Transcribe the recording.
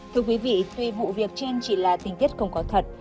thưa quý vị tuy vụ việc trên chỉ là tình tiết không có thật